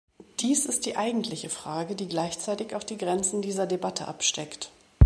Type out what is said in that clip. Dies ist die eigentliche Frage, die gleichzeitig auch die Grenzen dieser Debatte absteckt.